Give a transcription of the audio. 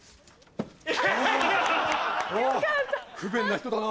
あぁ不便な人だな。